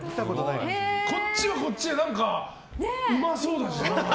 こっちはこっちでうまそうだしな。